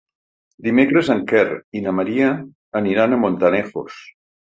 Dimecres en Quer i na Maria aniran a Montanejos.